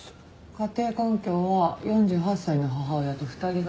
家庭環境は４８歳の母親と２人暮らし。